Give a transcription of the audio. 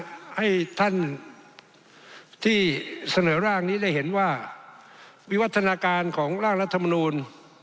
ให้ท่านที่เสนอร่างนี้ได้เห็นว่าวิวัฒนาการของร่างรัฐมนูล